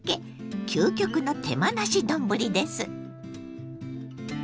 究極の手間なし丼です。